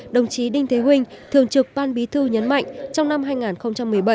đồng chí đinh thế huynh thường trực ban bí thư nhấn mạnh trong năm hai nghìn một mươi bảy